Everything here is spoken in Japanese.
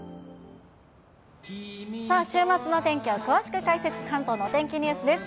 さあ、週末の天気を詳しく解説、関東のお天気ニュースです。